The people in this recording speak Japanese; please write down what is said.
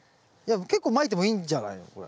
いや結構まいてもいいんじゃないの？